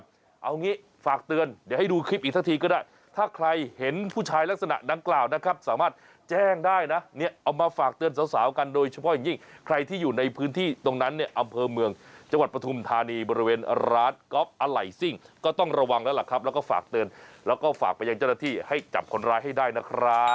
เอาอย่างงี้ฝากเตือนเดี๋ยวให้ดูคลิปอีกทักทีก็ได้ถ้าใครเห็นผู้ชายลักษณะดังกล่าวนะครับสามารถแจ้งได้นะเนี่ยเอามาฝากเตือนสาวกันโดยเฉพาะอย่างยิ่งใครที่อยู่ในพื้นที่ตรงนั้นเนี่ยอำเภอเมืองจังหวัดประธุมธานีบริเวณร้านก๊อฟอะไหล่ซิ่งก็ต้องระวังแล้วล่ะครับแล้วก